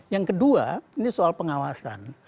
yang kedua ini soal pengawasan